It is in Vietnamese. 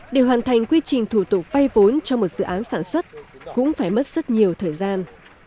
để hoàn thành quy trình thủ tục vay vốn cho một dự án sản xuất cũng phải mất rất nhiều thời gian